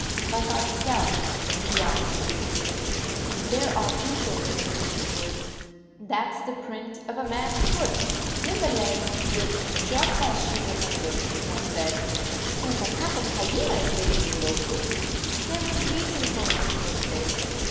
" Like ourselves," he answered briefly. " There are people living in these woods. That s the print of a man s foot." Limberleg looked just as she would have looked if he had said, " There s a pack of hyenas living in those woods." There was 89 reason for it in those days.